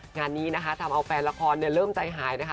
งานนี้นะคะทำเอาแฟนละครเริ่มใจหายนะคะ